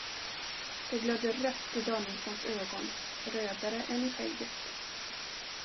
Det glödde rött i Danielssons ögon, rödare än i skägget.